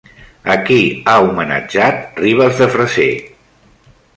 A qui ha homenatjat Ribes de Freser?